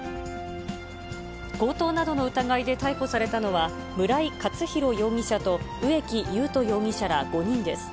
強盗などの疑いで逮捕されたのは、村井勝宏容疑者と植木優斗容疑者ら５人です。